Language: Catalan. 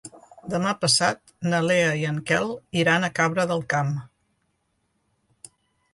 Demà passat na Lea i en Quel iran a Cabra del Camp.